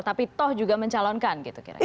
tapi toh juga mencalonkan gitu kira kira